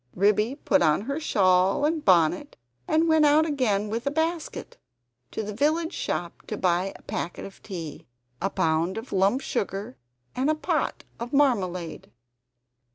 Ribby put on her shawl and bonnet and went out again with a basket, to the village shop to buy a packet of tea, a pound of lump sugar, and a pot of marmalade.